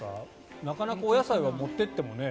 なかなかお野菜は持っていってもね。